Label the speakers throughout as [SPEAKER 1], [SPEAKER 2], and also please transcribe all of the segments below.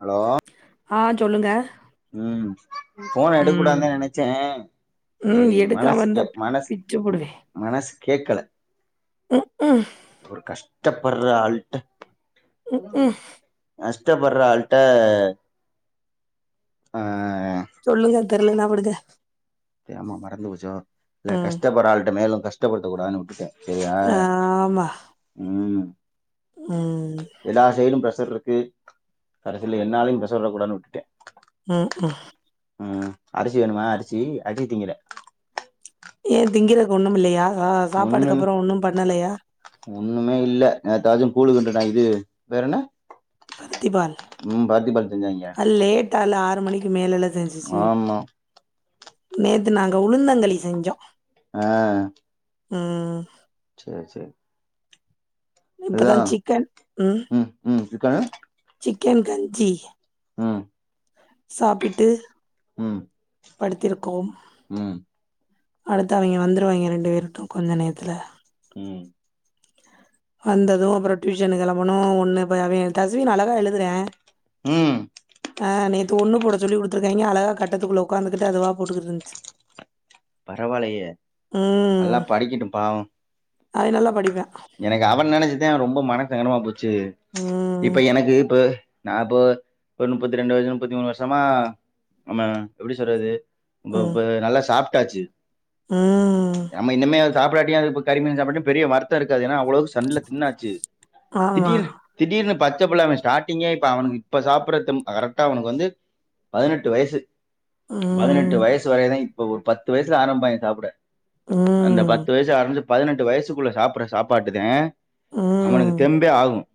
[SPEAKER 1] Hello
[SPEAKER 2] ஆ சொல்லுங்க
[SPEAKER 1] உம் ஃபோன் எடுக்க
[SPEAKER 2] ம்
[SPEAKER 1] கூடாதுனுதா நெனைச்சே
[SPEAKER 2] ம்
[SPEAKER 1] சேரி
[SPEAKER 2] எடுக்காம
[SPEAKER 1] மனசுக்கு
[SPEAKER 2] இருந்தா
[SPEAKER 1] கேக் மனசு
[SPEAKER 2] பிச்சு
[SPEAKER 1] மன
[SPEAKER 2] புடுவே
[SPEAKER 1] மனசு கேட்கல
[SPEAKER 2] ம் ம்
[SPEAKER 1] ஒரு கஷ்டம் போட்ற ஹால்ட் ம் கஷ்டப்பட்ற ஆளுட்ட ஆஹ்
[SPEAKER 2] சொல்லுங்க தெர்லன்னா விடுங்க
[SPEAKER 1] எம்மா மறந்து போச்சோ இல்ல
[SPEAKER 2] ம்
[SPEAKER 1] கஷ்டப்பட்ற ஆளுட்ட மேலும் கஷ்டப்படுத்தக்கூடாதுன்னு விட்டுட்ட சேரியா
[SPEAKER 2] ஆமா
[SPEAKER 1] உம்
[SPEAKER 2] ம்
[SPEAKER 1] எல்லா சைய்ட்லி பிரஷர் இருக் க்கு கடைசியில என்னாலையு பிரஷர் வரக் கூடான்னு விட்டுட்டே
[SPEAKER 2] உஹம் உஹம்
[SPEAKER 1] அ அரிசி வேணுமா அரிசி அரி திங்கிற
[SPEAKER 2] ஏ திங்கறக்கு ஒண்ணும் இல்லையா சா
[SPEAKER 1] ஒண்ணு
[SPEAKER 2] சாப்பாடுக்கு அப்புறோ ஒண்ணும் பண்ணலையா
[SPEAKER 1] ஒண்ணுமே இல்ல ஏத்தாச்சும் கூழுக்கின்டுனா இது பேரு என்ன
[SPEAKER 2] பருத்திபால்
[SPEAKER 1] செஞ்சாய்ங்க
[SPEAKER 2] அது லேட்டா ல ஆறு மணிக்கு மேல ல செஞ்சிச்சு
[SPEAKER 1] ஆமா
[SPEAKER 2] நேத்து நாங்க உளுந்தங்களி செஞ்சோம்
[SPEAKER 1] ஆ
[SPEAKER 2] ம்
[SPEAKER 1] சேரி சேரி
[SPEAKER 2] இப்பதா
[SPEAKER 1] அதுதா
[SPEAKER 2] சிக்கன்
[SPEAKER 1] ம் ம் சிக்கனு
[SPEAKER 2] க்கன் கஞ்சி
[SPEAKER 1] ம்
[SPEAKER 2] சாப்பிட்டு
[SPEAKER 1] ம்
[SPEAKER 2] படுத்திருக்கோம்
[SPEAKER 1] ம்
[SPEAKER 2] அடுத்து அவங்கே வந்துருவாங்கே ரெண்டு பேருட்டும் கொஞ்ச நேரத்துல
[SPEAKER 1] உம்
[SPEAKER 2] வந்ததும் அப்பறோ டியூஷன் கெளம்பணும் ஒண்ணு இ அவன் தஷ்வினு அழகா எழுதுறா
[SPEAKER 1] ம்
[SPEAKER 2] ஆ நீ ஒண்ணு போட சொல்லி குடுத்துருக்காங்க அழகா கட்டத்துக்குள்ள உக்காந்துகட்டு அதுவா போட்டுகிட்டு இருந்துச்சு
[SPEAKER 1] பரவால்லயே நல்லா
[SPEAKER 2] ம்.
[SPEAKER 1] படிக்கட்டும் பாவம்
[SPEAKER 2] அவன் நல்லா படிப்பான்.
[SPEAKER 1] எனக்கு அவன நெனைச் ச்சிதா ரொம்ப மனசங்கடமா போச் சி
[SPEAKER 2] ம்.
[SPEAKER 1] இப்ப எனக்கு இப்ப நா இப்போ ஒரு முப்பத்தி ரெண்டு வருஷம் முப்பத்தி மூணு வருஷமா ஆமா எப்டி சொல்றது இப்
[SPEAKER 2] ம்.
[SPEAKER 1] இப்ப நல்லா சாப் ட்டாச்சி
[SPEAKER 2] ம்.
[SPEAKER 1] நமா இன்னமே சாப்டாட்டியு அது கறி மீனு சாப்டாட்டியும் பெரிய வறுத்தம் இருக்கது ஏனா அவ்ளோவு சண்ல தின்னாச்சு
[SPEAKER 2] ஆமா.
[SPEAKER 1] திடீர் திடீர்னு பாத்து பச்சபுள்ள அவ ஸ்டார்டிங்கே இப்ப அவனுக்கு இப்ப சாப்பறது தெம் கரெக்டா அவனுக்கு வந்து பதினெட்டு வயசு
[SPEAKER 2] ம்.
[SPEAKER 1] பதினெட்டு வயசு வரைதா இ ப்ப ஒரு பத் து வயசல ஆரம்பிப்பாங்க சாப்ட அந்த
[SPEAKER 2] ம்.
[SPEAKER 1] பத்து வயசு ஆரஞ்ச் பதினெட்டு வயசுக்குள்ள சாப்புப்ற சாப்பாட்டுதே அவனுக்கு
[SPEAKER 2] ம்.
[SPEAKER 1] தெம்பே ஆகும்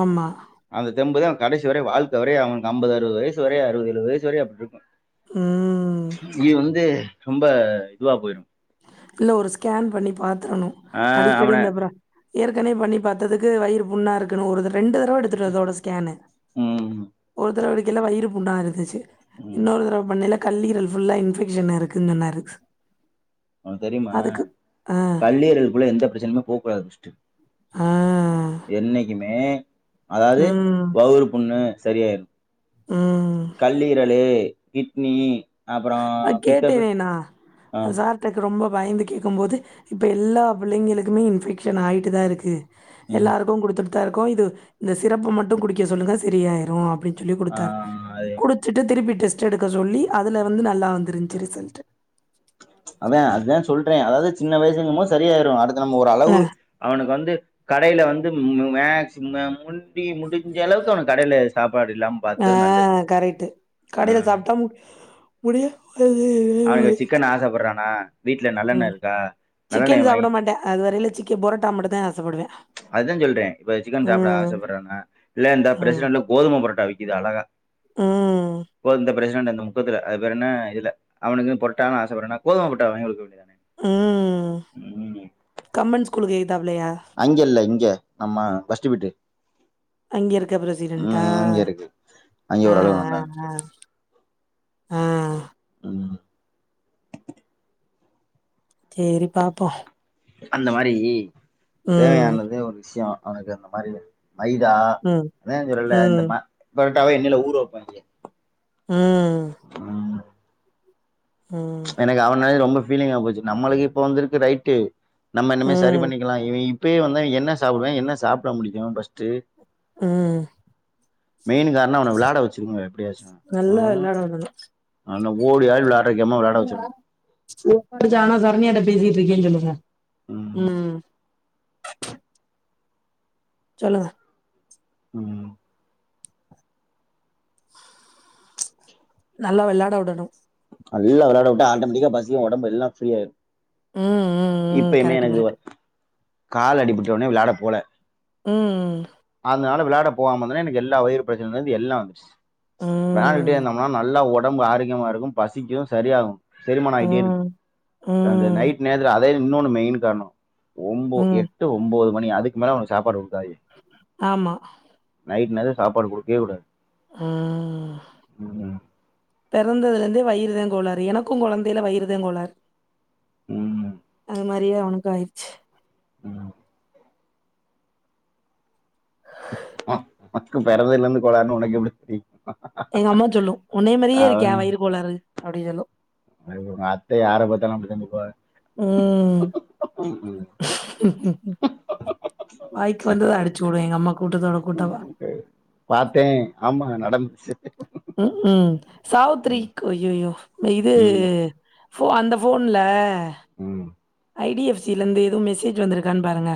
[SPEAKER 2] ஆமா.
[SPEAKER 1] அந்த தெம்புதா கடைசி வரையு வாழ்க்க வரையு அவுகளுக்கு அம்பது அறுபது வயசு வரையு அறுபது ஏழு வயசு வரையு அப்டி இருக்கு
[SPEAKER 2] ம்.
[SPEAKER 1] இது வந்து ரொம்ப இதுவா போயிடும்
[SPEAKER 2] இல்ல ஒரு ஸ்கேன் பண்ணி பாத்து துரனு
[SPEAKER 1] ஆஹ்
[SPEAKER 2] அடிக்கடி
[SPEAKER 1] அவனை
[SPEAKER 2] இந்த பிராப் ஏற்கனவே பண்ணி பாத்ததுக்கு வயிறு புண்ணா இருக்குன்னு ஒரு தட ரெண்டு தடவ எடுத்துடே இதோட ஸ்கேனு
[SPEAKER 1] உம்
[SPEAKER 2] ஒரு தடவ ல்ல வயிறு புண்ணா இருந்துச்சு
[SPEAKER 1] உம்
[SPEAKER 2] இன்னொரு தரவ பண்ணில கல்லீரல் புல்லா இன்பெக்ஷன் இருக்குன்னு சொன்னாறு
[SPEAKER 1] அவனக்கு தெரியுமா கல்லியர்களுக்குள்ள எந்த பிரச்சனுமே போகக்க கூடாது ஃபர்ஸ்ட்
[SPEAKER 2] ஆ
[SPEAKER 1] என்னிக்கு மே அதாவது
[SPEAKER 2] ம்
[SPEAKER 1] வவுறு புண்ணு சரியாயிரும்
[SPEAKER 2] ம்
[SPEAKER 1] கல்லீரலு கிட்னி அப்புறம்
[SPEAKER 2] அது
[SPEAKER 1] பித்த
[SPEAKER 2] கேட்டனே நா
[SPEAKER 1] ஆஹ்
[SPEAKER 2] சார்ட ரொம்ப வயந்து கேட்கும் போது இப்ப எல்லா பிள்ளைங்களுக்குமே இன்ஃபெக்ஷன் ஆகிட்டு தா இருக்கு
[SPEAKER 1] உம்
[SPEAKER 2] எல்லாருக்கு குடுத்துடுதா ட்டு தா இருக்கோ இது இந்த சிரப்ப மட்டும் குடிக்க சொல்லுங்க செரியாயிடும் அப்டின்னு சொல்லி குடுத்தாரு
[SPEAKER 1] ஆஹ் அது
[SPEAKER 2] குடுத்துட்டு திருப்பி டெஸ்ட்டு எடுக்க சொல்லி அது அதுல வந்து நல்லா வந்துருச்சு ரிசல்ட்
[SPEAKER 1] அதா அத்தா சொல்ற அதாவது சின்ன வயசுங்குபோ செரியாயிடும் அடுத்த ஒரு
[SPEAKER 2] அ
[SPEAKER 1] அளவு அவனுக்கு வந்து கடையில வந்து மேக்ஸ் முடி முடிஞ்ச அளவுக்கு அவன கடைல சாப்ப
[SPEAKER 2] ஆஹ் கரெக்ட்
[SPEAKER 1] ஆ
[SPEAKER 2] கடையில சாப்பிட்டா முடியா
[SPEAKER 1] அவனுக்கு சிக்கன் ஆசப்படுறானா
[SPEAKER 2] உஹம் சிக்கன் சாப்பிட
[SPEAKER 1] வாங்கிட்டு
[SPEAKER 2] மாட்டா அது வரையிலு சிக்கன் பொரோட்டா மட்டும் தா ஆசப்படுவா
[SPEAKER 1] அதா சொல்றே இப்ப சிக்கன் சாப்பிட ஆசப்படுறேன்னா இல்ல இந்த
[SPEAKER 2] ம்
[SPEAKER 1] பிரசிடன்ல கோதும பரோட்டா விக்குது அழகா
[SPEAKER 2] ம்
[SPEAKER 1] அப்போ அந்த பிரசிடன்ட் அந்த முக்கத்துல அது பேர் என்ன இல்ல அவனுக்கு பொரட்டானா ஆச படுறேனா கோதுப்பட்ட வாங்கி குக்க வேண்டிதா
[SPEAKER 2] உம் கமெண்ட் ஸ்கூலுக்கு எதித்தாப்லயா
[SPEAKER 1] அங்கல்ல இங்க நம்மா கஷ்டிபிட்டு
[SPEAKER 2] அங்க இருக்க பிரசிடென்டா
[SPEAKER 1] இருக்கு அங்க ஒரு அளவு
[SPEAKER 2] ஆஹ்
[SPEAKER 1] நல்லா
[SPEAKER 2] ஆஹ் ஆஹ் ஆஹ்
[SPEAKER 1] ம்
[SPEAKER 2] தேரி பாப்போ
[SPEAKER 1] அந்த மாரீ
[SPEAKER 2] ம்
[SPEAKER 1] தேவையானதே ஒரு விஷயொ அவனுக்கு இந்த மாரி மைதா
[SPEAKER 2] ம்
[SPEAKER 1] அதா சொல்லல இந்த
[SPEAKER 2] ம்
[SPEAKER 1] மா பரட்டாவ எண்ணெய்ல ஊர வைப்பாங்க
[SPEAKER 2] உஹ்ம்
[SPEAKER 1] எனக்கு அவனால ரொம்ப ஃபீலிங்கா போச்சு நம்மளுக்கு இப்போ வந்திருக்கு ரைட்டு நம்ம இனிமே சரி
[SPEAKER 2] ம்
[SPEAKER 1] பண்ணிக்கலா இவெய் இப்பய வந்து என்ன சாப்பிடுவே என்ன சாப்பிட முடியு பஸ்ட்டு
[SPEAKER 2] உஹ்ம்
[SPEAKER 1] மெயின் காரணோ அவன விளாட வச்சுருனுங்க எப்டியாச்சு
[SPEAKER 2] நல்லா
[SPEAKER 1] உஹ்
[SPEAKER 2] வெளாடுவானுங்க
[SPEAKER 1] நல்லா ஓடி ஆடி வெளாடுற கேமா விளாட வச்சிரணு
[SPEAKER 2] [unintelligible] சாரனியாட பேசிட் இருக்கேன் சொல்லுங்க
[SPEAKER 1] ம்
[SPEAKER 2] உம் சொல்லுங்க
[SPEAKER 1] உஹ்ம்
[SPEAKER 2] நல்லா வெள்ளாட விடணு
[SPEAKER 1] நல்ல வெளாட விட்டா ஆட்டோமடிக்கா பசியு ஒடம்பு எல்லா ஃப்ரீயாய்
[SPEAKER 2] ம், ம், ம்.
[SPEAKER 1] இப்பயுமே
[SPEAKER 2] கரெக்ட்,
[SPEAKER 1] எனக்கு வ
[SPEAKER 2] கரெக்ட்.
[SPEAKER 1] கால் அடிபட்ட உடனே விளாட போல
[SPEAKER 2] உம் உம்
[SPEAKER 1] ட போகாம இருந்தோனே எனக்கு எல்லா வயிர் பிரச்சனைல இருந்து எல்லா வந்துச்சு வெளாண்டுட்டே
[SPEAKER 2] ம்,
[SPEAKER 1] இருந்தோம்னா நல்லா ஓ டம்பு ஆரோக்கியமா இருக்கும் பசிக்கு சரியாகு செரிமான ஆயிட்டே இருக்கு
[SPEAKER 2] ம்,
[SPEAKER 1] அந்த
[SPEAKER 2] ம்,
[SPEAKER 1] நைட் நேரத்துல அ அதே இன்னோனு மெயின் காரணம் ஒம்போ
[SPEAKER 2] ம்.
[SPEAKER 1] எட்டு ஒன்பது மணி அதுக்கு மேல அவனுக்கு சாப்பாடு குடுக்காதிங்க
[SPEAKER 2] ஆமா
[SPEAKER 1] நைட் நேரத்துல சாப்பாடு குடுக்கவே கூடாது
[SPEAKER 2] ம்
[SPEAKER 1] ம்,
[SPEAKER 2] பிறந்ததுல இருந்தே வயிறு கோளாறு எனக்கும் குழந்தையில வயிறுதா கோளாறு
[SPEAKER 1] ம்,
[SPEAKER 2] அந்த மாரி நெறைய அவனுக்கு ஆயிடுச்சு
[SPEAKER 1] ம் மக்கு பிறந்ததுல இருந்து கோளாறுன்னு உனக்கு எப்டி தெரி
[SPEAKER 2] எங்க அம்மா சொல்லும் உன்னைய மாரியே இருக்கியா வயிறு கோளாறு அப்டி சொல்லும்
[SPEAKER 1] எங்க அத்தை யார பாத்தாலும் அப்படிதா சொல்லுவாங்க
[SPEAKER 2] ம் வாய்க்கு வந்தத அடிச்சு விடும் எங்க அம்மா கூட்டத்தோட கூட்டவா.
[SPEAKER 1] பாத்தேன் ஆமா நடந்துச்சு
[SPEAKER 2] ம் ம் சாவுத்ரீ
[SPEAKER 1] ம்,
[SPEAKER 2] அய்யயோ இது
[SPEAKER 1] ம்,
[SPEAKER 2] ஃபோ அந்த ஃபோன்ல
[SPEAKER 1] ம்.
[SPEAKER 2] வ ஐ டி எஃப் சி-லந்து எதுவு மெசேஜ் வந்திருக்கான்னு பாருங்க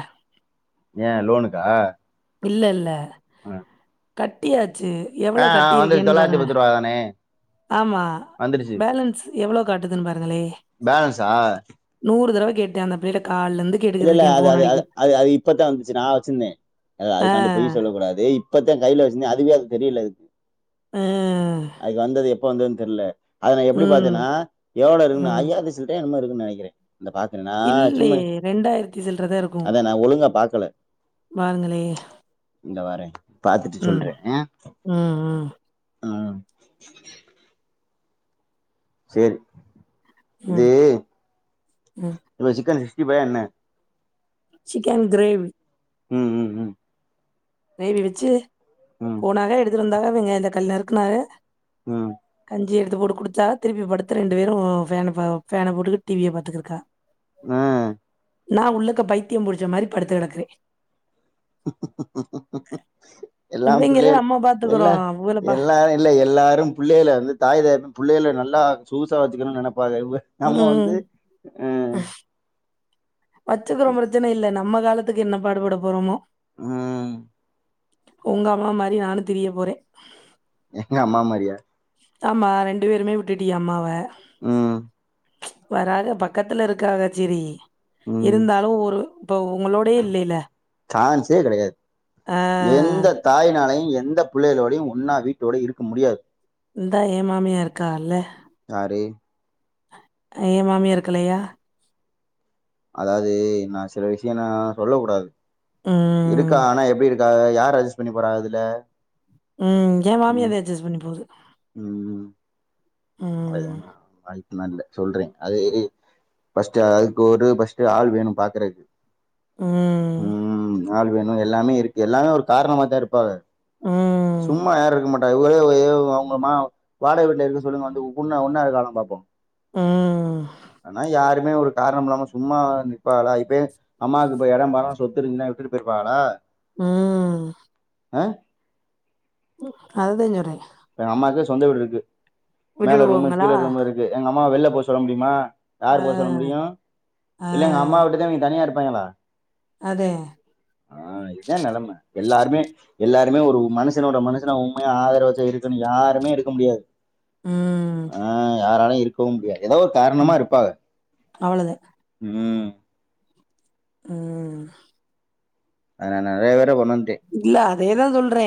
[SPEAKER 1] ஏன் லோனுக்கா
[SPEAKER 2] இல்ல இல்ல
[SPEAKER 1] ஆ
[SPEAKER 2] கட்டியா ச்சி
[SPEAKER 1] ஆ
[SPEAKER 2] எவ்ளோ
[SPEAKER 1] ஆ வந்துருச்சு
[SPEAKER 2] கட்டிருக்கேனு
[SPEAKER 1] தொள்ளாயிரத்தி
[SPEAKER 2] பாருங்க
[SPEAKER 1] பத்து ரூபா தானே
[SPEAKER 2] ஆமா பேலன்ஸ் எவ்ளோ காட்டுதுங்க பார்
[SPEAKER 1] பேலன்சா
[SPEAKER 2] தடவ கேட்டே அந்த வேலக்
[SPEAKER 1] இல்ல இல்ல அது அது அது அது அது இப்பதா வந்துச்சு நா வச்சிந்தே அது
[SPEAKER 2] ஆ,
[SPEAKER 1] அதுக்காண்டி பொய் சொல்லக் கூடாது இப்பத்தே கைல வச்சிந்தே அதுவே அது தெரியல எதுக்
[SPEAKER 2] ஆஹ்
[SPEAKER 1] பொ வந்தத்ன் தெரில அது நா எப்டி பாத்தேனா எவ்ளோ இருக்குனு
[SPEAKER 2] ம்.
[SPEAKER 1] ஐயாத்தி சில்ரயோ என்னமோ இருக்கு க்கு நெனைக்கிறே இந்த பாக்குறே நா சும்மை
[SPEAKER 2] ரெண்டாயிரத்தி சில்றதா இருக்கு வாங்களே
[SPEAKER 1] இங்க வரேன் பார்த்துட்டு
[SPEAKER 2] ம் ம் ம்
[SPEAKER 1] அஹம் செரி இது
[SPEAKER 2] ம், ம்.
[SPEAKER 1] இது சிக்கன் இப்ப என்ன
[SPEAKER 2] சிக்கன் கிரேவி
[SPEAKER 1] உம் உம் உம்
[SPEAKER 2] ரேவி வெச்சு போனாக எடுத் இருந்தாலு அவுங்க இந்த கல்யாணத்ல
[SPEAKER 1] ம்
[SPEAKER 2] இஞ்சி எடுத்து போட்டு குடிச்சா திருப்பி படுத்து ரெண்டு பேரு ஃபேன ஃபேன் ஃபேன போட்டு டிவியை பாத்துருக்கா
[SPEAKER 1] அ
[SPEAKER 2] நா உள்ளக்க பைத்தியோ புடிச்ச மாரி படுத்து கெடக்குறே
[SPEAKER 1] [inaudible] எல்லா
[SPEAKER 2] இவைங்கள
[SPEAKER 1] புள்ளை
[SPEAKER 2] நம்ம
[SPEAKER 1] எல்லா
[SPEAKER 2] பாத்துக்குறோம் அவங்கள பா
[SPEAKER 1] எல்லாரு இல்ல எல்லாரு புள்ளையில வந்து தாய் தகப்பன் புள்ளையில நல்லா சொகுசா வெச்சுக்கணு நெனப் பா [unintelligible] நம்ம
[SPEAKER 2] ம்
[SPEAKER 1] வந்து அ
[SPEAKER 2] வச்சுக்குறோ பிரச்சன இல்லண்ணா நம்ம காலத்துக்கு என்ன பாடுப்பட போறோமோ
[SPEAKER 1] ம்
[SPEAKER 2] உங்க அம்மா மாரி நானு திரிய போறே
[SPEAKER 1] எங்க அம்மா மாரியா
[SPEAKER 2] ஆமா ரெண்டு பேருமே உட்டிட்டிக அம்மாவ
[SPEAKER 1] ம்
[SPEAKER 2] வராக பக்கத்துல இருக்காக செரி இருந்தாலு ஒரு இப்போ உங்களோடயே இல்லைல
[SPEAKER 1] சான்சே கெடையாது
[SPEAKER 2] ஆ
[SPEAKER 1] எந்த தாய்னாளையு எந்த எந்த புள்ளைகளோடையு ஒன்னா வீட்டோட இருக்க முடியாது
[SPEAKER 2] இந்த ஏ மாமியா இருக்காகல்ல
[SPEAKER 1] யாரு
[SPEAKER 2] ஏ மாமியா இருக்கலையா
[SPEAKER 1] அதாவது நா சில விஷயம்னா சொல்லக் கூடாது இருக்கா
[SPEAKER 2] ம்
[SPEAKER 1] ஆனா எப்படி இருக்கா யார் அட்ஜஸ்ட் பண்ணி போறா அதுல
[SPEAKER 2] உம் என் மாமிய அத அட்ஜஸ்ட் பண்ணி போகுது
[SPEAKER 1] உம்
[SPEAKER 2] ம்
[SPEAKER 1] அத் நல்ல சொல்றே அது பர்ஸ்டு அதுக்கு ஒரு பர்ஸ்டு ஒரு ஆள் வேணு பாக்குறதுக்கு
[SPEAKER 2] உம்
[SPEAKER 1] ஆள் வேணு எல்லாமே இருக்கு எல்லாமே ஒரு காரணமா தா இருப்பாக
[SPEAKER 2] ம்
[SPEAKER 1] சும்மா யாரு இருக்க மாட்ட இர அவங்க வாடக வீட்ல இருங்க சொல்லுங்க வந்து உண்ணா ஒன்னாரு காலா பார்போ
[SPEAKER 2] ம்
[SPEAKER 1] ஆனா யார் ஒரு காரணம் இல்லாம சும்மா நிற்பாகளா இப்ப அம்மாவுக்கு இப்ப இடம் பாத்துருங்குன்னா சொத்துயிருக்குனா விட்டுட்டு போயிருவாளா
[SPEAKER 2] உம்
[SPEAKER 1] ஆ
[SPEAKER 2] அதுதா கேக்குற
[SPEAKER 1] இ அம்மாக்கு சொந்த வீடு இருக்கு மேல ரூமு
[SPEAKER 2] விட்டுடுவோங்களா
[SPEAKER 1] கீழ ரூமு இருக்கு எங்க அம்மாவ வெளில போக சொல்ல முடியுமா யார்
[SPEAKER 2] ஆ
[SPEAKER 1] போய் சொல்ல முடியும் இல்ல எங்க
[SPEAKER 2] ஆ
[SPEAKER 1] அம்மா விட்டுதா நீ தனிய இரு
[SPEAKER 2] அதே
[SPEAKER 1] [unintelligible] ஆஹ் இதா நெலம எல்லாருமே எல்லாருமே ஒரு மனுசனோட மனுசன உண்மையா ஆதரவு வெச்ச இருக்கு யாருமே இருக்க முடியாது
[SPEAKER 2] ம்
[SPEAKER 1] ஆஹ் யாராலயு இருக்கவு முடியாது ஏதோ காரணமா இருப்பாக
[SPEAKER 2] அவ்ளோதா
[SPEAKER 1] உம்
[SPEAKER 2] உம்
[SPEAKER 1] அத நா நெறைய உனட்ட
[SPEAKER 2] இல்ல அதேதா சொல்றே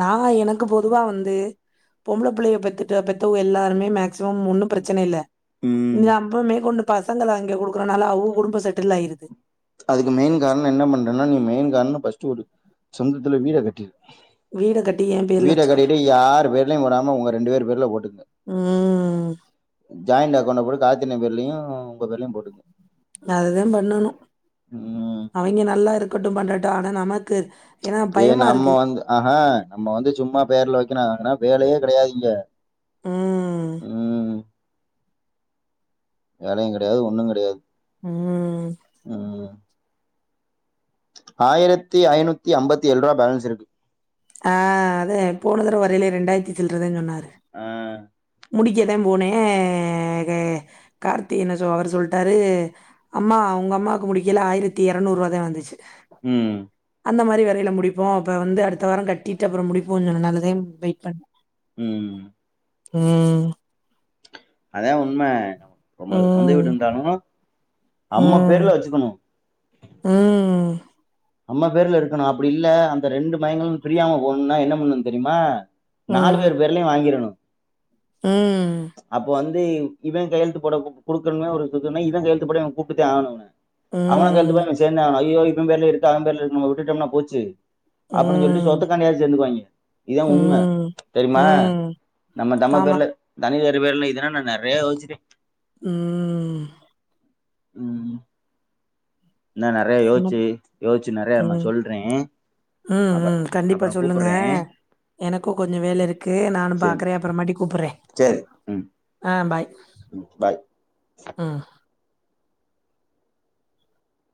[SPEAKER 2] நா எனக்கு பொதுவாக வந்து பொம்பள பிள்ளைய பெத்து பெற்றவ எல்லாருமே மேக்சிமம் ஒன்னு பிரச்சன இல்ல
[SPEAKER 1] ம்.
[SPEAKER 2] நீ அப்பவுமே கொண்டு பசங்க அங்க குடுக்குறனால அவங்க குடும்ப செட்டில் ஆயிருது
[SPEAKER 1] அதுக்கு மெயின் காரணம் என்ன பண்றேன்னா நீ மெயின் காரணம் ஃபஸ்ட் ஒரு சொந்தத்துல வீட கட்டிரு
[SPEAKER 2] வீட கட்டி ஏ பேர்ல வச்சுக்கணு
[SPEAKER 1] வீடகட்டிட்டு யார் பெர்லயும் வராம உங்க ரெண்டு பேர் பேர்ல போட்டுக
[SPEAKER 2] உம்
[SPEAKER 1] ஜாயிண்ட் அக்கவுண்டல போட்டு காத்தின பேர்லயு
[SPEAKER 2] அதுதான் பண்ணணும்
[SPEAKER 1] ம்.
[SPEAKER 2] அவிங்க நல்லா இருக்கட்டும் பண்றட்டு ஆனா நமக்
[SPEAKER 1] ம் ஏ நம்ம வந்து ஆஹா நம்ம வந்து சும்மா பேர்ல வைக்க [unintelligible] ஆனா வேலையே கெடையாதிங்க
[SPEAKER 2] ம்
[SPEAKER 1] உம் வேலையும் கெடையாது ஒன்னும் கெடையாது
[SPEAKER 2] ம்
[SPEAKER 1] ம் ஆயிரத்தி ஐந்நூத்தி ஐம்பத்தி ஏழு ரூபா பேலன்ஸ் இருக்கு
[SPEAKER 2] ஆ அதே போனதட வரையிலே ரெண்டாயிரத்தி சில்றதான் சொன்னாரு
[SPEAKER 1] ஆ
[SPEAKER 2] முடிக்கதான் போனேன் கார்த்தி என்ன சொ அவரு சொல்ட்டாரு அம்மா உங்க அம்மாக்கு முடிக்கல ஆயிரத்தி இரநூறு ரூவா தான் வந்துச்சு
[SPEAKER 1] ம்
[SPEAKER 2] அந்த மாரி வேரயில முடிப்போம் அப்ப வந்து அடுத்த வாரம் கட்டிட்டு அப்புறம் முடிப்போம் சொன்ன நாலத வெயிட் பண்ண
[SPEAKER 1] உம்
[SPEAKER 2] உம்
[SPEAKER 1] அதே உண்ம ந பொம்மளுக்கு சொந்த
[SPEAKER 2] ம்
[SPEAKER 1] வீடுருந்தாலு அம்ம பேர்ல
[SPEAKER 2] ம்
[SPEAKER 1] வச்சுக்கணும்
[SPEAKER 2] ம் ம்
[SPEAKER 1] நம்ம பேர்ல இருக்கணும் அப்டி இல்ல அந்த ரெண்டு மயங்களும் பிரியாம போணும்னா என்ன பண்ணும்னு தெரியுமா நாலு பேர் பேர்லயையும் வாங்கிரணும்
[SPEAKER 2] உம்
[SPEAKER 1] வந்து இவன் கையெழுத்து போட கொடுக்கணும் ஒரு இதன் கையெழுத்துப்பட கூப்பிிட்டே ஆகணும் அவன [unintelligible] சேந்துதா ஆகணும் [unintelligible] [unintelligible] பேர்ல இருக்கனும் நம்ம விட்டுட்டோம்னா போச்சு அப்டின்னு சொல்லி
[SPEAKER 2] ம்
[SPEAKER 1] சொத்துக்காண்டி சேந்துக்குவாங்க இான் உண்மை
[SPEAKER 2] ம்
[SPEAKER 1] தெரியுமா
[SPEAKER 2] ம்
[SPEAKER 1] நம்ம தம்ம பேர்ல
[SPEAKER 2] ஆமாம்
[SPEAKER 1] தனி டு பேர்ல இதுனா நா நிறைய யோசிச்சிருக்கே
[SPEAKER 2] ம்
[SPEAKER 1] ம்
[SPEAKER 2] என் உம்
[SPEAKER 1] யோசிச்சு நிறைய நான் சொல்றேன்
[SPEAKER 2] உம்
[SPEAKER 1] அப்ப
[SPEAKER 2] உம் கண்டிப்பா
[SPEAKER 1] அப்புறம்
[SPEAKER 2] சொல்லுங்க
[SPEAKER 1] கூப்பிடுறேன்
[SPEAKER 2] எனக்கும் கொஞ்சம் வேல இருக்கு நானும்
[SPEAKER 1] சரி
[SPEAKER 2] பாக்குறேன் அப்புறமாட்டி கூப்பு றே
[SPEAKER 1] சரி ம்
[SPEAKER 2] ஆ பாய்
[SPEAKER 1] ம் பாய்
[SPEAKER 2] ம்